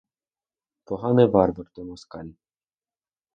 Поганий варвар той москаль!